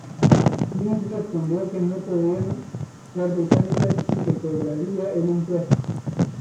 Lynch respondió que no podían ser británicas y que cobraría el impuesto.